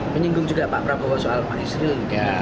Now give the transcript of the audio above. menyinggung juga pak prabowo soal pak yusril